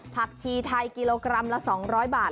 ผักชีไทยกิโลกรัมละ๒๐๐บาท